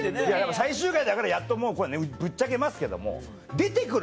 最終回だからやっともうぶっちゃけますけども出て来る